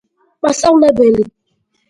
მასწავლებელი